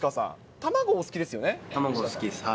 卵お好きですよね？